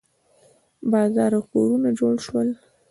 بازار او کورونه جوړ شول.